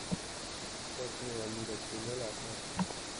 Ez nuen nire kiniela asmatu.